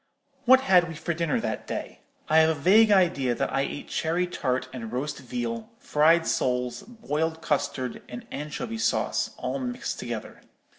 "What had we for dinner that day? I have a vague idea that I ate cherry tart and roast veal, fried soles, boiled custard, and anchovy sauce, all mixed together.